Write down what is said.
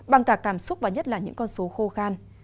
bằng cả cảm xúc và nhất là những con số khô khăn